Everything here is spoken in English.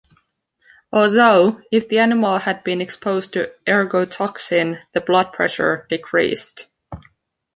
Although, if the animal had been exposed to ergotoxine, the blood pressure decreased.